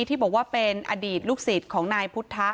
ที่บอกว่าเป็นอดีตลูกศิษย์ของนายพุทธะ